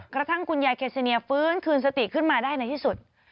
กระทั่งคุณยายเคซีเนียฟื้นคืนสติขึ้นมาได้ในที่สุด